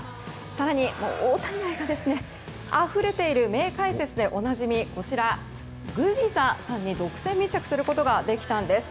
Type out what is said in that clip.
更に、大谷愛があふれている名解説でおなじみグビザさんに独占密着することができたんです。